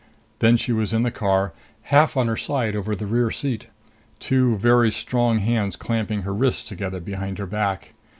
Then she was in the car, half on her side over the rear seat, two very strong hands clamping her wrists together behind her back.